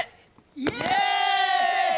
イエーイ！